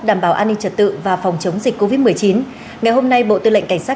đảm bảo an ninh trật tự và phòng chống dịch covid một mươi chín ngày hôm nay bộ tư lệnh cảnh sát